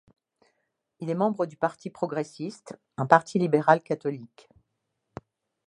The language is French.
Il est membre du Parti Progressiste, un parti libéral catholique.